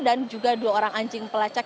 dan juga dua orang anjing pelecak